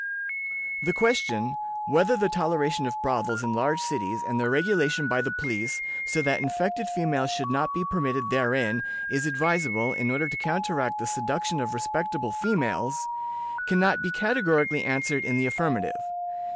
"The question, 'whether the toleration of brothels in large cities, and their regulation by the police, so that infected females should not be permitted therein, is advisable, in order to counteract the seduction of respectable females?' can not be categorically answered in the affirmative.